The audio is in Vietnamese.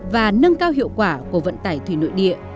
và nâng cao hiệu quả của vận tải thủy nội địa